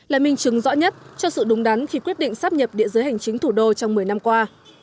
là minh chứng rõ nhất cho sự đúng đắn khi quyết định sắp nhập địa giới hành chính thủ đô trong một mươi năm qua